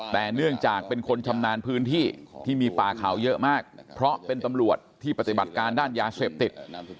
แต่เนื่องจากเป็นคนชำนาญพื้นที่ที่มีป่าเขาเยอะมากเพราะเป็นตำรวจที่ปฏิบัติการด้านยาเสพติด